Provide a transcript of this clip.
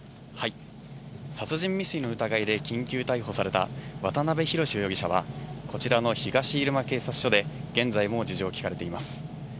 殺人未遂の疑いで緊急逮捕された渡辺宏容疑者は、こちらの東入間警察署で現在も事情を聴かれています。